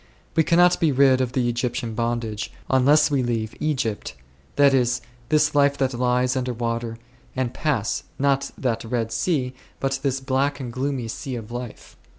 We cannot be rid of the Egyptian bondage, unless we leave Egypt, that is, this life that lies under water ', and pass, not that Red Sea, but this black and gloomy Sea of life.